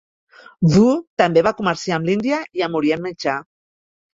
Wu també va comerciar amb l'Índia i amb Orient Mitjà.